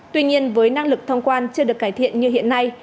tuy nhiên với năng lực thông quan chưa được cải thiện như hiện nay